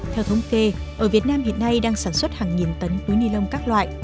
theo thống kê ở việt nam hiện nay đang sản xuất hàng nghìn tấn túi nilon các loại